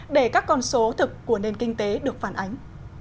để các con số thực của nền kinh tế được phản ánh